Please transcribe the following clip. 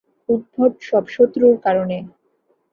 উদ্ভট সব শত্রুর কারণে!